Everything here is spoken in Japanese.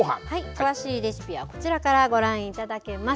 詳しいレシピはこちらからご覧いただけます。